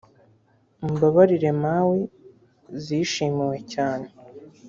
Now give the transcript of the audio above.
Umbabarire mawe zishimiwe cyane